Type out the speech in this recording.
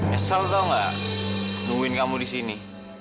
esel tau gak nungguin kamu di sini